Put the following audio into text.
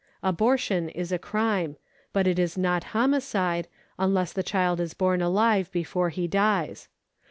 Abortion is a crime ; but it is not homi cide, unless the child is born alive before he dies.